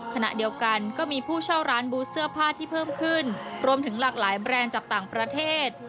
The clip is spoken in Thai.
ขณะเดียวกันก็มีผู้เช่าร้านบูธเสื้อผ้าที่เพิ่มขึ้นรวมถึงหลากหลายแบรนด์จากต่างประเทศ